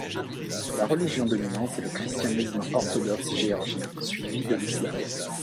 La religion dominante est le christianisme orthodoxe géorgien, suivie de l'islam.